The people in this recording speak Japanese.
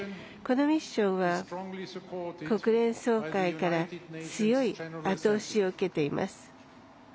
このミッションは、国連総会から強いあと押しを受けています。